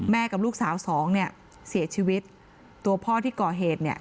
กับลูกสาวสองเนี่ยเสียชีวิตตัวพ่อที่ก่อเหตุเนี่ย